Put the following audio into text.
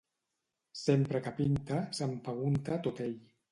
Sempre que pinta, s'empegunta tot ell.